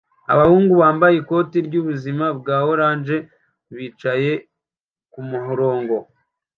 Abahungu bambaye ikoti ryubuzima bwa orange bicaye kumurongo